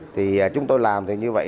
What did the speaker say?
thì chúng tôi làm như vậy